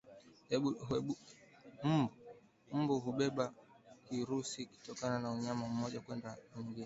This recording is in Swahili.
Mbu hubeba kirusi kutoka kwa mnyama mmoja kwenda kwa mwingine